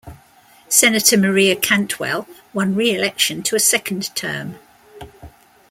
Senator Maria Cantwell won re-election to a second term.